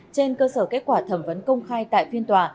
trên cơ sở kết quả thẩm vấn công khai tại phiên tòa